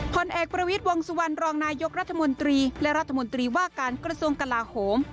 ผลเอกประวิทย์วงสุวรรณรองนายกรัฐมนตรีและรัฐมนตรีว่าการกระทรวงกลาโหม